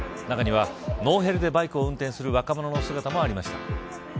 中には、ノーヘルでバイクを運転する若者の姿もありました。